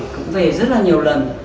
cũng về rất là nhiều lần